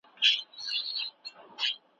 ما نن سهار د خپل بڼ د توتانو پاڼې پاکې کړې.